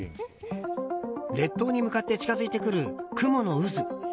列島に向かって近づいてくる雲の渦。